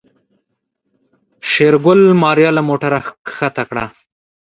شېرګل ماريا له موټره کښته کړه.